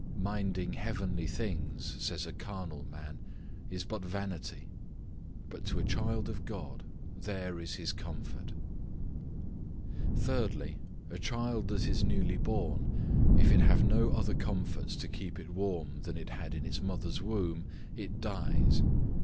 Minding heavenly things, says a carnal man, is but vanity; but to a child of God, there is his comfort. Thirdly, A child that is newly born, if it have not other comforts to keep it warm than it had in its mother's womb, it dies.